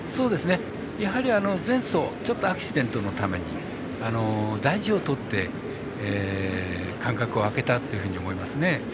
やはり前走、ちょっとアクシデントのために大事をとって間隔を空けたっていうふうに思いますね。